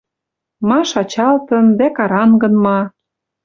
Ма шачалтын дӓ карангын ма!